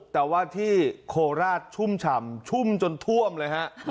แต่ว่าที่โคราชชุ่มฉ่ำชุ่มจนท่วมเลยฮะ